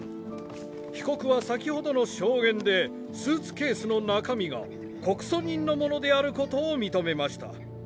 被告は先ほどの証言でスーツケースの中身が告訴人のものであることを認めました。